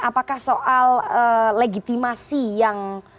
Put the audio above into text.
apakah soal legitimasi yang